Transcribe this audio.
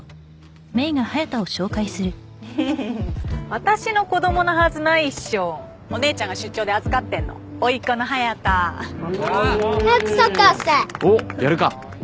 私の子どもなはずないっしょお姉ちゃんが出張で預かってんのおいっ子の隼太早くサッカーしたいおっやるか？